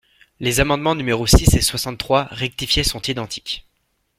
Les amendements numéros six et soixante-trois rectifié sont identiques.